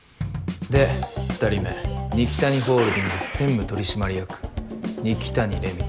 で２人目二木谷ホールディングス専務取締役二木谷レミ。